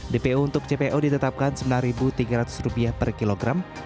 dpo untuk cpo ditetapkan rp sembilan tiga ratus per kilogram